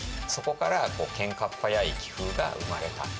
そこから喧嘩っ早い気風が生まれた。